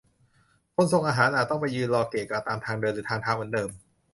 คนส่งอาหารอาจต้องไปยืนรอเกะกะตามทางเดินหรือทางเท้าเหมือนเดิม